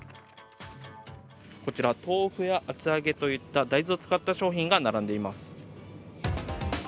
こちら豆腐や厚揚げといった大豆を使った商品が並んでいます。